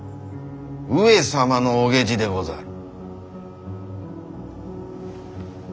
上様のお下知でござる。